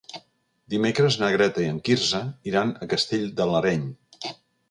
Dimecres na Greta i en Quirze iran a Castell de l'Areny.